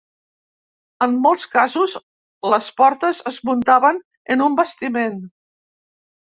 En molts casos, les portes es muntaven en un bastiment.